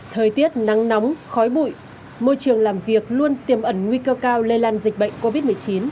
thời tiết nắng nóng khói bụi môi trường làm việc luôn tiềm ẩn nguy cơ cao lây lan dịch bệnh covid một mươi chín